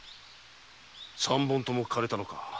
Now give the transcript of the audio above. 三本とも枯れたのか？